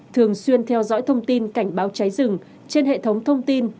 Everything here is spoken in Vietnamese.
thường xuyên theo dõi thông tin cảnh báo cháy rừng trên hệ thống thông tin